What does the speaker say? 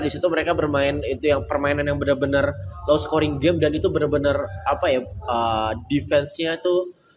disitu mereka bermain itu yang permainan yang bener bener low scoring game dan itu bener bener defense nya itu